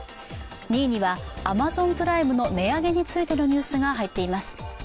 ２位にはアマゾンプライムの値上げについてのニュースが入っています。